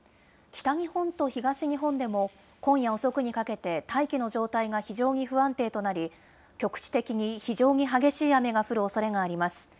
北日本と東日本でも、今夜遅くにかけて大気の状態が非常に不安定となり、局地的に非常に激しい雨が降るおそれがあります。